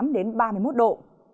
đến ba mươi một độ